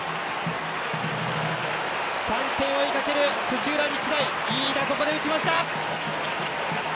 ３点を追いかける、土浦日大飯田、ここで打ちました！